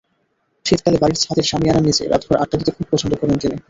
শীতকালে বাড়ির ছাদের শামিয়ানার নিচে রাতভর আড্ডা দিতে খুব পছন্দ করেন তিনি।